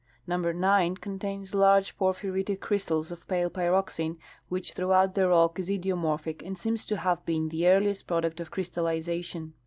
Number 9^ contains large porphyritic crystals of pale pyroxene, which throughout the rock is idiomorphic and seems to have been the earliest product of crystallization.